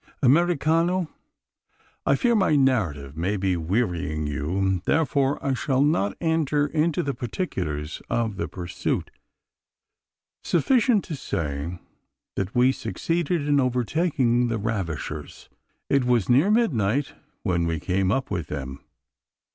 Americano! I fear my narrative may be wearying you; and therefore I shall not enter into the particulars of the pursuit. Sufficient to say, that we succeeded in overtaking the ravishers. It was near midnight when we came up with them.